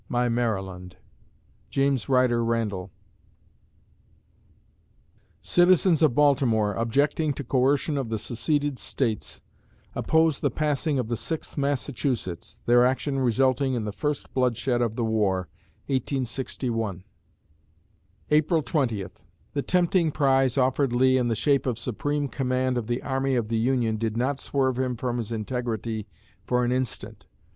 My Maryland! JAMES RYDER RANDALL _Citizens of Baltimore, objecting to coercion of the seceded States, oppose the passing of the Sixth Massachusetts, their action resulting in the first bloodshed of the War, 1861_ April Twentieth The tempting prize offered Lee in the shape of supreme command of the Army of the Union did not swerve him from his integrity for an instant.